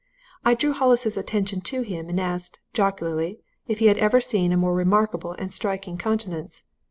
I drew Hollis's attention to him, and asked, jocularly, if he had ever seen a more remarkable and striking countenance?